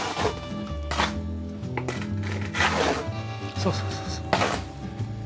そうそうそうそう。